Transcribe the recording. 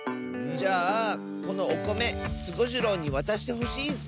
じゃあこのおこめスゴジロウにわたしてほしいッス！